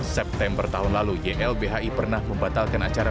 september tahun lalu ylbhi pernah membatalkan acara